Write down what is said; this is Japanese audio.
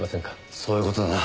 そういう事だな。